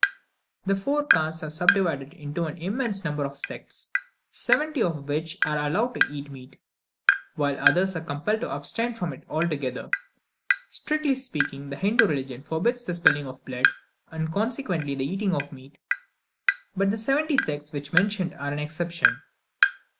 The four castes are subdivided into an immense number of sects, seventy of which are allowed to eat meat, while others are compelled to abstain from it altogether. Strictly speaking, the Hindoo religion forbids the spilling of blood, and consequently the eating of meat; but the seventy sects just mentioned are an exception.